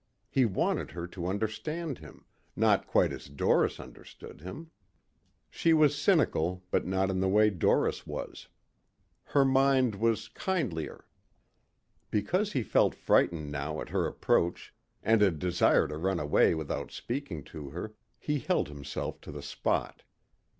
He wanted her to understand him, not quite as Doris understood him. She was cynical but not in the way Doris was. Her mind was kindlier. Because he felt frightened now at her approach and a desire to run away without speaking to her, he held himself to the spot.